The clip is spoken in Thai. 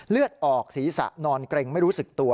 เลือดออกศีรษะนอนเกร็งไม่รู้สึกตัว